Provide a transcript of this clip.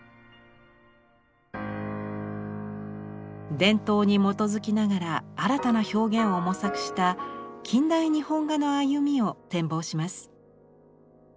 伝統に基づきながら新たな表現を模索した近代日本画の歩みを展望します。